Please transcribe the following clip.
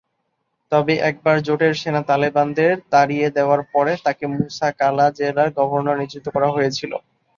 তবে একবার জোটের সেনা তালেবানদের তাড়িয়ে দেওয়ার পরে তাকে মুসা কালা জেলার গভর্নর নিযুক্ত করা হয়েছিল।